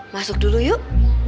masuk dulu yuk